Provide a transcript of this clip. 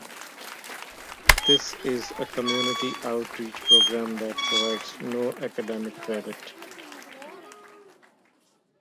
This is a community outreach program that provides no academic credit.